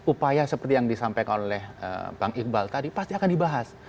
upaya seperti yang disampaikan oleh bang iqbal tadi pasti akan dibahas